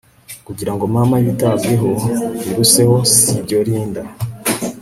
kugira ngo mama yitabweho biruseho sibyo Linda